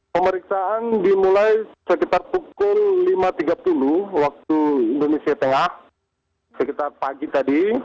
pemeriksaan dimulai sekitar pukul lima tiga puluh waktu indonesia tengah sekitar pagi tadi